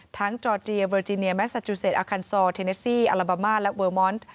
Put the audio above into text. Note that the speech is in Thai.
ทั้งจอร์เดียเวอร์จีเนียแมซาจูเซตอคันซอลเทเนสซีอัลบาม่าและเวอร์มอนต์